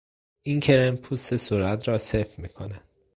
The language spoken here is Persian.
این کرم پوست صورت را سفت می کند.